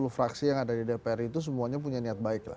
sepuluh fraksi yang ada di dpr itu semuanya punya niat baik lah